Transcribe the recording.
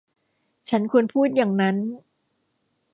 ฉันควรพูดอย่างนั้น !